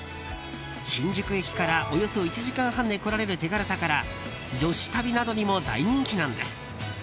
新宿駅からおよそ１時間半で来られる手軽さから女子旅などにも大人気なんです。